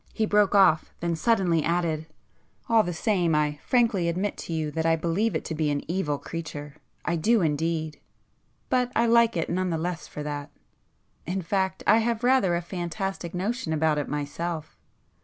He broke [p 57] off,—then suddenly added—"All the same I frankly admit to you that I believe it to be an evil creature. I do indeed! But I like it none the less for that. In fact I have rather a fantastic notion about it myself.